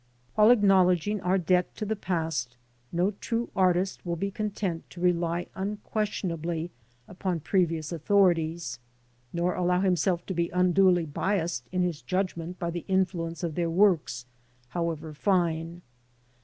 While acknowledging our debt to the past, no true artist will be content to rely unquestionably upon previous authorities, nor allow himself to be unduly biassed in his judgment by the influence of their works, however fine.